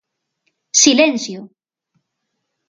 ¡Silencio!